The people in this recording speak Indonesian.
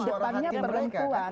suara mereka semua